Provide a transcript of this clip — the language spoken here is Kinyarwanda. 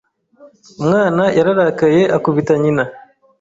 Umwana yararakaye akubita nyina.